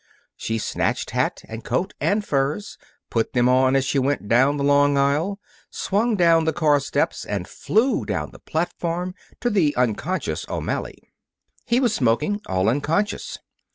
She snatched hat and coat and furs, put them on as she went down the long aisle, swung down the car steps, and flew down the platform to the unconscious O'Malley. He was smoking, all unconscious.